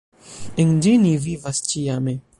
En ĝi ni vivas ĉiame.